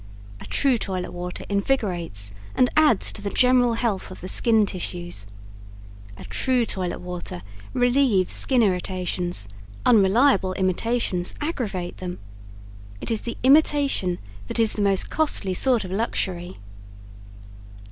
A true toilet water invigorates and adds to the general health of the skin tissues. A true toilet water relieves skin irritations unreliable imitations aggravate them. It is the imitation that is the most costly sort of luxury.